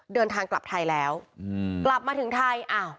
เดินทางกลับไทยแล้วกลับมาถึงไทยอ้าว